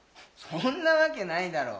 そんなわけないだろ。